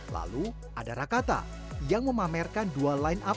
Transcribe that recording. lalu ada rakata yang memamerkan dua line up